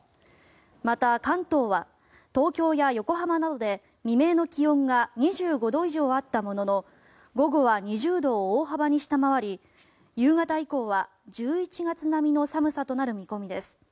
また、関東は東京や横浜などで未明の気温が２５度以上あったものの午後は２０度を大幅に下回り夕方以降は１１月並みの寒さとなる見込みです。